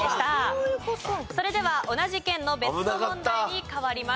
それでは同じ県の別の問題に変わります。